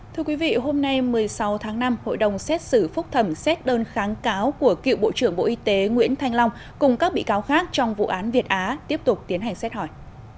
thưa quý vị hôm nay một mươi sáu tháng năm hội đồng xét xử phúc thẩm xét đơn kháng cáo của cựu bộ trưởng bộ y tế nguyễn thanh long cùng các bị cáo khác trong vụ án việt á tiếp tục tiến hành xét hỏi